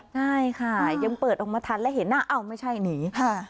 ใช่ค่ะยังเปิดออกมาทันแล้วเห็นหน้าอ้าวไม่ใช่หนีค่ะ